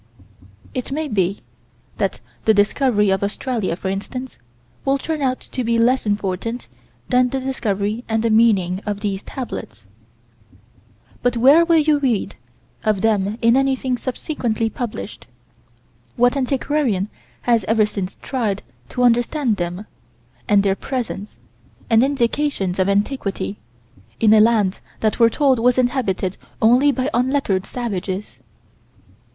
It may be that the discovery of Australia, for instance, will turn out to be less important than the discovery and the meaning of these tablets But where will you read of them in anything subsequently published; what antiquarian has ever since tried to understand them, and their presence, and indications of antiquity, in a land that we're told was inhabited only by unlettered savages?